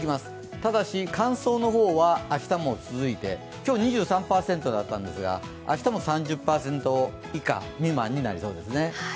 ただし乾燥の方は明日も続いて、今日２３％だったんですが明日も３０％未満になりそうですね。